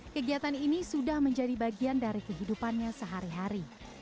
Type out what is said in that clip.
kegiatan ini sudah menjadi bagian dari kehidupannya sehari hari